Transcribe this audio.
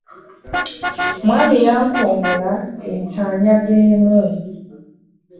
Mwami yankongoola ente anyaga emu .